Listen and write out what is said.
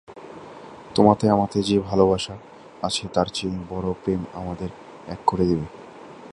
তোমাতে আমাতে যে ভালোবাসা আছে তার চেয়ে বড়ো প্রেমে আমাদের এক করে দেবে।